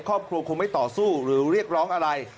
ครอบครัวคงไม่ต่อสู้หรือเรียกร้องอะไร